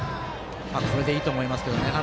これでいいと思います。